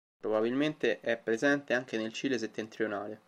Probabilmente è presente anche nel Cile settentrionale.